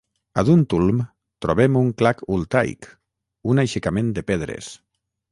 A Duntulm trobem un clach-ultaich, un aixecament de pedres.